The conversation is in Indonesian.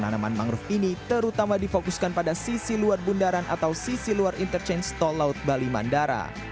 tanaman mangrove ini terutama difokuskan pada sisi luar bundaran atau sisi luar interchange tol laut bali mandara